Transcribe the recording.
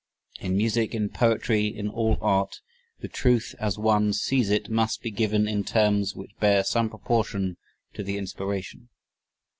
In music, in poetry, in all art, the truth as one sees it must be given in terms which bear some proportion to the inspiration.